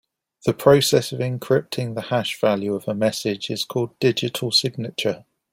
The process of encrypting the hash value of a message is called digital signature.